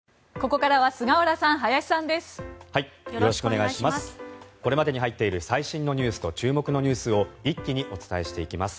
これまでに入っている最新のニュースと注目のニュースを一気にお伝えしていきます。